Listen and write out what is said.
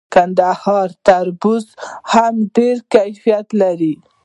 د کندهار تربوز هم ډیر کیفیت لري.